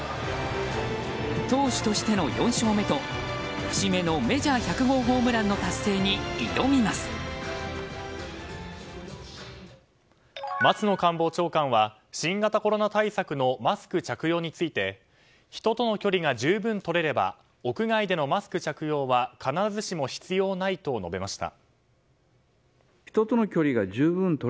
投手としての４勝目と節目のメジャー松野官房長官は新型コロナ対策のマスク着用について人との距離が十分取れれば屋外でのマスク着用は必ずしも必要ないと述べました。